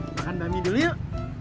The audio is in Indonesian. makan dami dulu yuk